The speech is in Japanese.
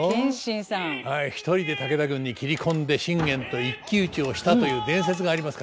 はい一人で武田軍に斬り込んで信玄と一騎打ちをしたという伝説がありますからね。